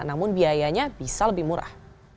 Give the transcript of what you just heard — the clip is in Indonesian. namun biayanya bisa lebih murah